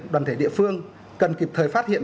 đoàn thể địa phương cần kịp thời phát hiện